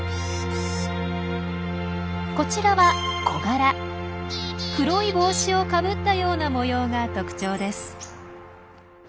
こちらは黒い帽子をかぶったような模様が特徴です。